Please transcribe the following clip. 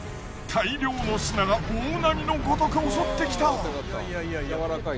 大量の砂が大波のごとく襲ってきた。